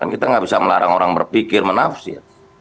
kita nggak bisa melarang orang berpikir menafsir